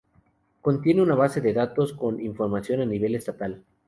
Contiene una base de datos con información a nivel estatal.